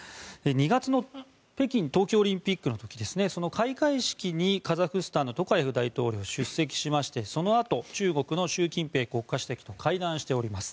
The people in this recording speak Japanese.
２月の北京冬季オリンピックの時開会式にカザフスタンのトカエフ大統領は出席しましてそのあと、中国の習近平国家主席と会談しています。